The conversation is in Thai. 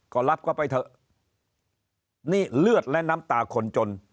ก็รับเข้าไปเถอะนี่เลือดและน้ำตาคนจน